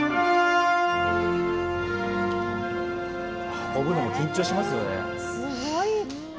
運ぶのも緊張しますよね。